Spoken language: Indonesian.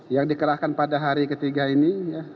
yang dikerahkan pada hari ketiga ini